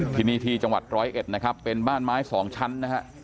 ที่นี่ที่จังหวัดร้อยเอ็ดนะครับเป็นบ้านไม้สองชั้นนะฮะ